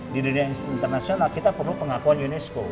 di dunia internasional kita perlu pengakuan unesco